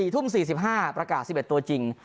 ๔ทุ่ม๔๕ประกาศ๑๑ตัวจริง